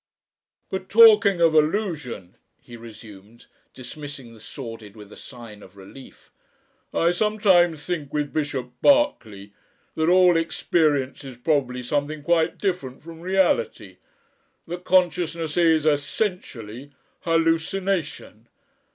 "But talking of Illusion," he resumed, dismissing the sordid with a sign of relief, "I sometimes think with Bishop Berkeley, that all experience is probably something quite different from reality. That consciousness is essentially hallucination.